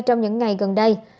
trong những ngày gần đây